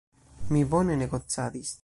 Mi bone negocadis.